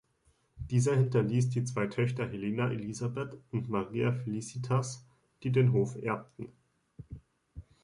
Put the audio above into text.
Dieser hinterließ die zwei Töchter Helena Elisabeth und Maria Felicitas, die den Hof erbten.